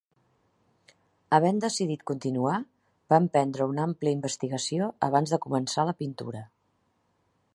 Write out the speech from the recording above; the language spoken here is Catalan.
Havent decidit continuar, va emprendre una àmplia investigació abans de començar la pintura.